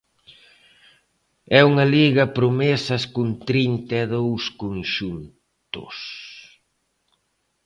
E unha Liga promesas con trinta e dous conxuntos.